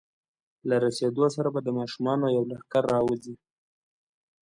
له رسېدو سره به د ماشومانو یو لښکر راوځي.